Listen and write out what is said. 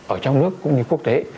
ở trong nước cũng như quốc tế